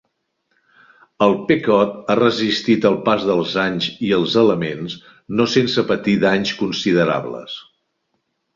El "Pequod" ha resistit el pas dels anys i els elements, no sense patir danys considerables.